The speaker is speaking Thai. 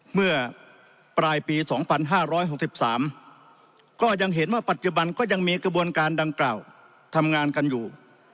เมื่อปลายปี๒๕๖๓ก็ยังเห็นว่าปัจจุบันก็ยังมีกระบวนการดังกล่าวทำงานกันอยู่